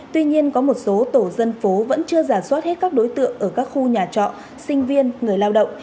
tuy nhiên có một số tổ dân phố vẫn chưa giả soát hết các đối tượng ở các khu nhà trọ sinh viên người lao động